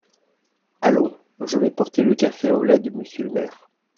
Allons ! je vais porter le café au lait de monsieur le maire !…